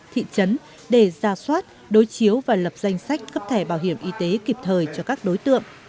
thị trấn để ra soát đối chiếu và lập danh sách cấp thẻ bảo hiểm y tế kịp thời cho các đối tượng